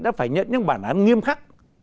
đã phải nhận những bản án nghiêm khắc